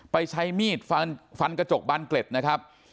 ใช้มีดฟันฟันกระจกบานเกล็ดนะครับ